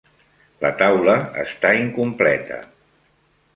La taula està incompleta.